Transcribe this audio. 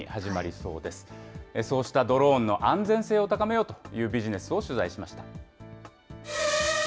そうしたドローンの安全性を高めようというビジネスを取材しました。